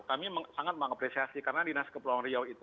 kami sangat mengapresiasi karena dinas kepulauan riau itu